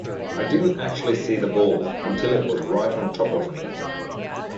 I didn't actually see the ball until it was right on top of me.